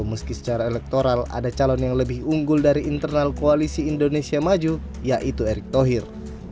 meski secara elektoral ada calon yang lebih unggul dari internal koalisi indonesia maju yaitu erick thohir